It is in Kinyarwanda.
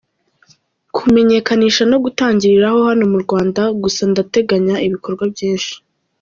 kumenyekanisha no gutangiriraho hano mu Rwanda, gusa ndateganya ibikorwa byinshi.